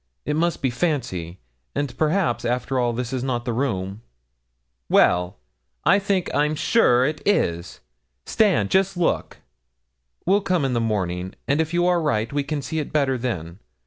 It must be fancy; and perhaps, after all, this is not the room.' 'Well I think, I'm sure it is. Stand just look.' 'We'll come in the morning, and if you are right we can see it better then.